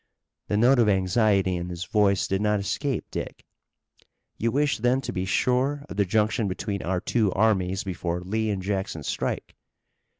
The note of anxiety in his voice did not escape Dick. "You wish then to be sure of the junction between our two armies before Lee and Jackson strike?"